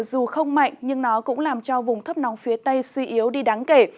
dù không mạnh nhưng nó cũng làm cho vùng thấp nóng phía tây suy yếu đi đáng kể